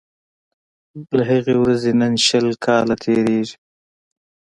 له هغې ورځي نن شل کاله تیریږي